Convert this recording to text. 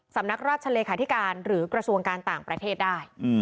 สำนักราชเลขาธิการหรือกระทรวงการต่างประเทศได้